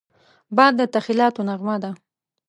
باد د تخیلاتو نغمه ده